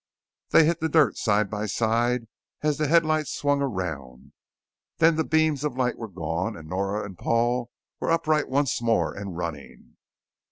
They hit the dirt side by side as the headlights swung around. Then the beams of light were gone and Nora and Paul were upright once more and running.